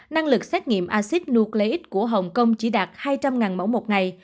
năng lực xét nghiệm acid nucleic của hồng kông chỉ đạt hai trăm linh mẫu một ngày